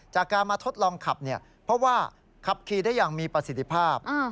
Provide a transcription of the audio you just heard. จากการมาทดลองขับเนี่ยเพราะว่าขับขี่ได้อย่างมีประสิทธิภาพ